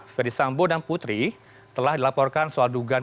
ferdisambo dan putri telah dilaporkan soal dugaan